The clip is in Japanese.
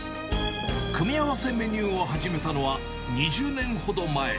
組み合わせメニューを始めたのは２０年ほど前。